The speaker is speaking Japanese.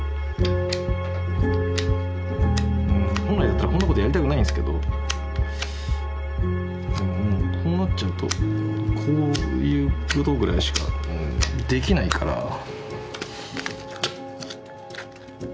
本来だったらこんなことやりたくないんですけどこうなっちゃうとこういうことぐらいしかできないから。